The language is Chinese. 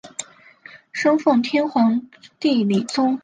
生奉天皇帝李琮。